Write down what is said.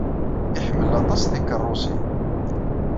Iḥemmel aṭas tikeṛṛusin.